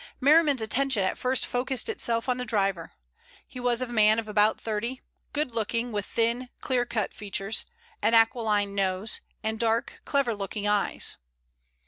Merriman's attention at first focused itself on the driver. He was a man of about thirty, good looking, with thin, clear cut features, an aquiline nose, and dark, clever looking eyes.